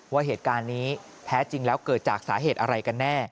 ว่าเหตุการณ์นี้แท้จริงแล้วเกิดจากสาเหตุอะไรกันแน่